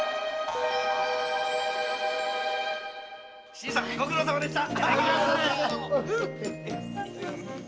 新さんご苦労さまでした！